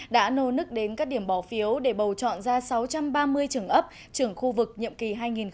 đã nô nức đến các điểm bỏ phiếu để bầu chọn ra sáu trăm ba mươi trưởng ấp trưởng khu vực nhiệm kỳ hai nghìn một mươi sáu hai nghìn một mươi chín